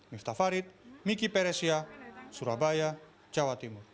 miftah farid miki peresia surabaya jawa timur